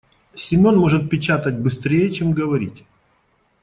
Семён может печатать быстрее, чем говорить.